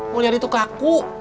mulyadi tuh kaku